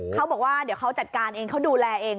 เขาบอกว่าเดี๋ยวเขาจัดการเองเขาดูแลเอง